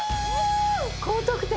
高得点。